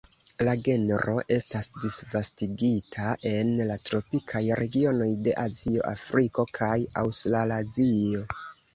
La genro estas disvastigita en la tropikaj regionoj de Azio, Afriko kaj Aŭstralazio.